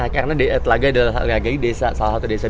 karena telaga adalah salah satu desa